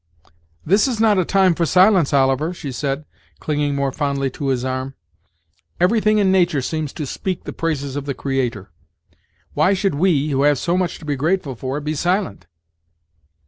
"This is not a time for silence, Oliver!" she said, clinging more fondly to his arm; "everything in Nature seems to speak the praises of the Creator; why should we, who have so much to be grateful for, be silent?"